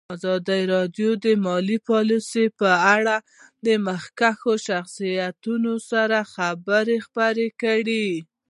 ازادي راډیو د مالي پالیسي په اړه د مخکښو شخصیتونو خبرې خپرې کړي.